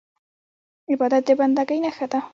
عبادت د بندګۍ نښه ده.